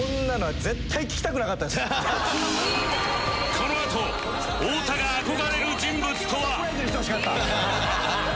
このあと太田が憧れる人物とは？